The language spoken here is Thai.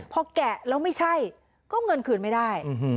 พอแกะแล้วไม่ใช่ก็เงินคืนไม่ได้